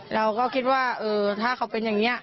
เราก็คิดว่าถ้าเขาเป็นอย่างนี้